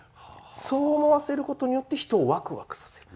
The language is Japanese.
そう思わせることによって人をワクワクさせる。